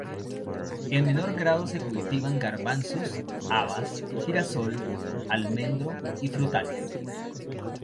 En menor grado se cultivan garbanzos, habas, girasol, almendro y frutales.